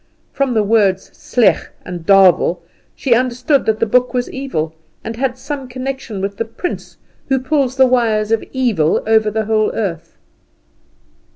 From the words "sleg" and "Davel" she understood that the book was evil, and had some connection with the prince who pulls the wires of evil over the whole earth.